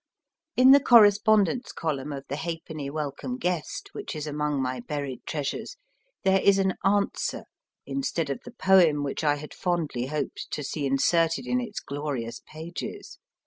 In the correspondence column of the Halfpenny Welcome Guest, which is among my buried treasures, there is an answer instead of the poem which I had fondly hoped to GEORGE R. SIMS see inserted in its glorious pages.